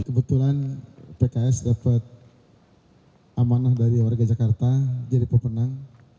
kebetulan pks dapat amanah dari warga jakarta jadi pemenang